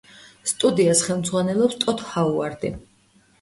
სტუდიას ხელმძღვანელობს ტოდ ჰაუარდი.